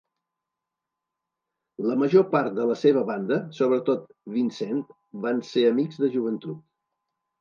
La major part de la seva banda, sobretot Vincent, van ser amics de joventut.